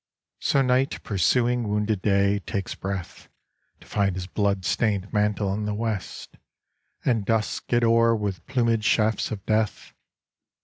So Night, pursuing wounded Day, takes breath To find his blood stained mantle in the west, And dusks it o'er with plumëd shafts of death.